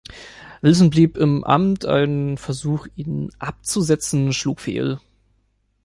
Wilson blieb im Amt, ein Versuch ihn abzusetzen schlug fehl.